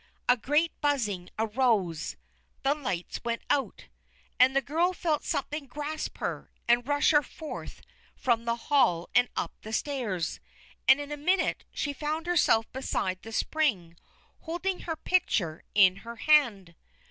A great buzzing arose. The lights went out. And the girl felt something grasp her, and rush her forth from the hall and up the stairs; and in a minute she found herself beside the spring holding her pitcher in her hand.